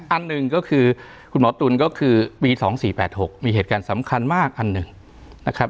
อันหนึ่งก็คือคุณหมอตุ๋นก็คือปี๒๔๘๖มีเหตุการณ์สำคัญมากอันหนึ่งนะครับ